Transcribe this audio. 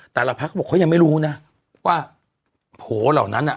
แต่ละพักเขาบอกเขายังไม่รู้นะว่าโผล่เหล่านั้นอ่ะ